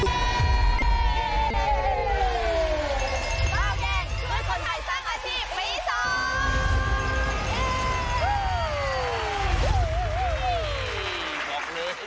เก้าแย่งช่วยคนไทยสร้างอาชีพมีสอง